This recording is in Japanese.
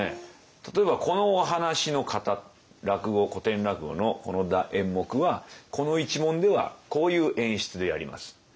例えばこのお話の型落語古典落語のこの演目はこの一門ではこういう演出でやります。